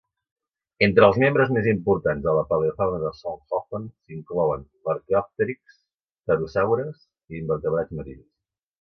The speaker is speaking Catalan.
Entre els membres més importants de la paleofauna de Solnhofen s'inclouen l'"arqueòpterix", pterosaures, i invertebrats marins.